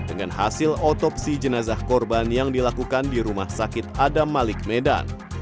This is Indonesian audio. dengan hasil otopsi jenazah korban yang dilakukan di rumah sakit adam malik medan